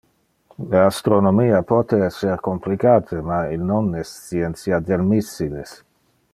Le astronomia pote ser complicate, ma il non es scientia del missiles.